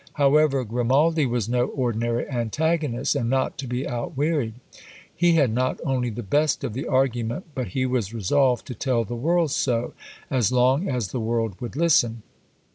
However, Grimaldi was no ordinary antagonist, and not to be outwearied. He had not only the best of the argument, but he was resolved to tell the world so, as long as the world would listen.